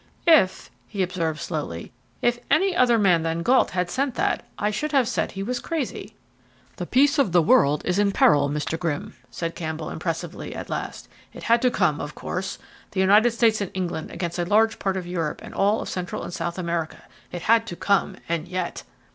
"If," he observed slowly, "if any other man than Gault had sent that I should have said he was crazy." "The peace of the world is in peril, Mr. Grimm," said Campbell impressively, at last. "It had to come, of course, the United States and England against a large part of Europe and all of Central and South America. It had to come, and yet